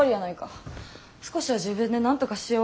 少しは自分でなんとかしよう思わんの？